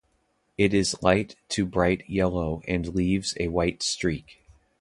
It is light to bright yellow and leaves a white streak.